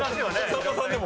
さんまさんでも？